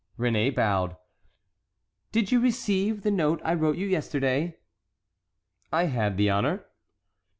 Réné bowed. "Did you receive the note I wrote you yesterday?" "I had that honor."